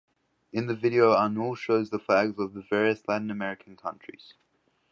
In the video Anuel shows the flags of the various Latin American countries.